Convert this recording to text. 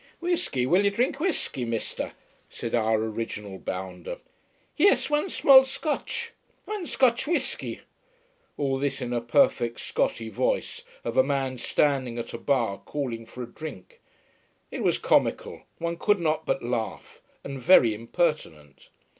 "Wheesky! Will you drink Wheesky, Mister?" said our original bounder. "Yes, one small Scotch! One Scotch Wheesky." All this in a perfect Scotty voice of a man standing at a bar calling for a drink. It was comical, one could not but laugh: and very impertinent.